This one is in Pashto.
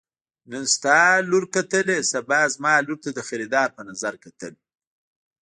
نن ستا لور کتله سبا زما لور ته د خريدار په نظر کتل.